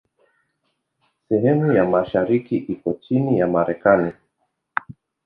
Sehemu ya mashariki iko chini ya Marekani.